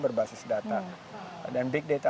berbasis data dan big data